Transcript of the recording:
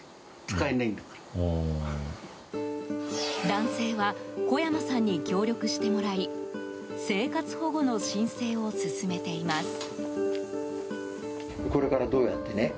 男性は小山さんに協力してもらい生活保護の申請を進めています。